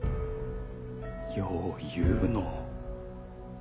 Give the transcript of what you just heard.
よう言うの。